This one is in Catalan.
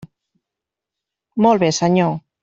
Molt bé, senyor.